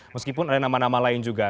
meskipun ada nama nama